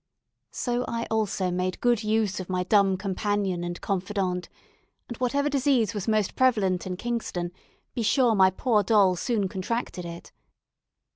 So I also made good use of my dumb companion and confidante; and whatever disease was most prevalent in Kingston, be sure my poor doll soon contracted it.